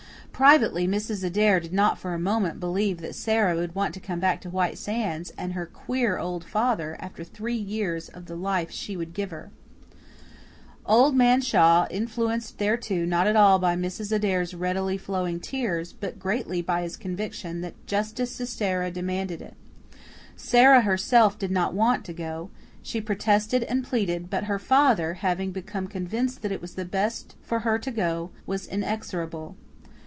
Privately, Mrs. Adair did not for a moment believe that Sara would want to come back to White Sands, and her queer old father, after three years of the life she would give her. Old Man Shaw yielded, influenced thereto not at all by Mrs. Adair's readily flowing tears, but greatly by his conviction that justice to Sara demanded it. Sara herself did not want to go; she protested and pleaded; but her father, having become convinced that it was best for her to go, was inexorable.